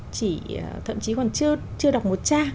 chỉ thậm chí còn chưa đọc một trang